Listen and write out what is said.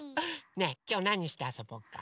ねえきょうなにしてあそぼうか？